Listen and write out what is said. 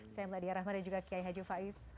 saya meladia rahma dan juga kiai haji faiz